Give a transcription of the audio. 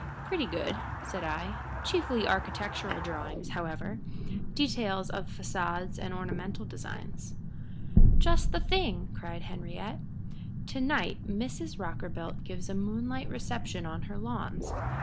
"Pretty good," said I. "Chiefly architectural drawings, however details of façades and ornamental designs." "Just the thing!" cried Henriette. "To night Mrs. Rockerbilt gives a moonlight reception on her lawns.